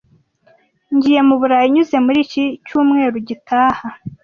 Ngiye mu Burayi nyuze muriki cyumweru gitaha.